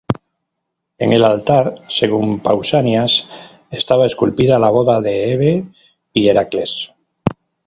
En el altar, según Pausanias, estaba esculpida la boda de Hebe y Heracles.